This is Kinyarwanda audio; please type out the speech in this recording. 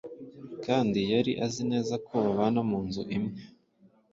kandi yari azi neza ko babana mu inzu imwe